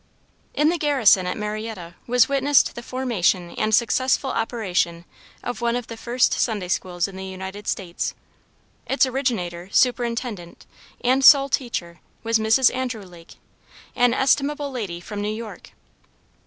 In the garrison at Marietta, was witnessed the formation and successful operation of one of the first Sunday schools in the United States. Its originator, superintendent, and sole teacher, was Mrs. Andrew Lake, an estimable lady from New York.